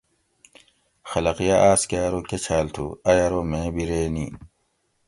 خلق یاۤ آۤس کہ ارو کہ چھاۤل تُھو؟ ائی ارو میں بِیرے نی